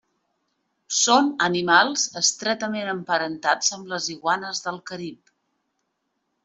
Són animals estretament emparentats amb les iguanes del Carib.